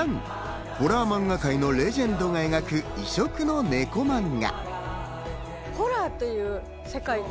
ホラー漫画界のレジェンドが描く異色のネコ漫画。